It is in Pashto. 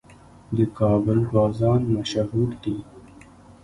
د کابل بازان مشهور دي